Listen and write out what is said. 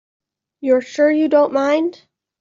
You're sure you don't mind?